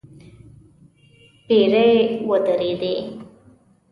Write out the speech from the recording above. پيرې ودرېدې.